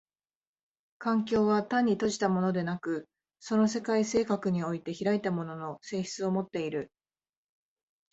環境は単に閉じたものでなく、その世界性格において開いたものの性質をもっている。